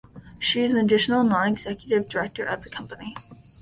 She is an additional non-executive director of the company.